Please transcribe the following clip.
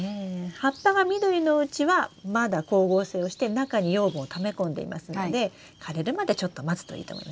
葉っぱが緑のうちはまだ光合成をして中に養分をため込んでいますので枯れるまでちょっと待つといいと思いますよ。